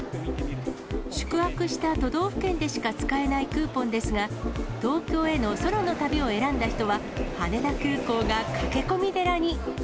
宿泊した都道府県でしか使えないクーポンですが、東京への空の旅を選んだ人は、羽田空港が駆け込み寺に。